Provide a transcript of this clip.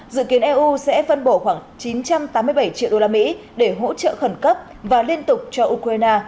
dự kiến eu sẽ phân bổ khoảng chín trăm tám mươi bảy triệu usd để hỗ trợ khẩn cấp và liên tục cho ukraine